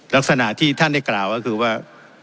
ลักษณะที่ท่านได้กล่าวก็คือว่า